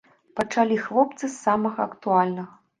Пачалі хлопцы з самага актуальнага.